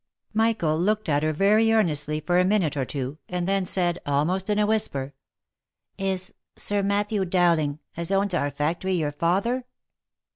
Michael looked at her very earnestly for a minute or two, and then said, almost in a whisper, " Is Sir Matthew Dowling, as owns our factory, your father